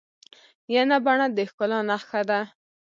ینه بڼه د ښکلا نخښه ده.